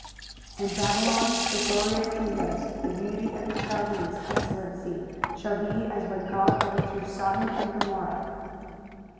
23:013:019 And Babylon, the glory of kingdoms, the beauty of the Chaldees' excellency, shall be as when God overthrew Sodom and Gomorrah.